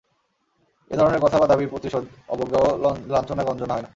এ ধরনের কথা বা দাবির প্রতিশোধ অবজ্ঞা ও লাঞ্ছনা-গঞ্জনা হয় না।